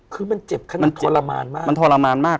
คือมันเจ็บขนาดนั้นทรมานมาก